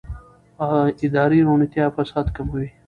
اداري روڼتیا فساد کموي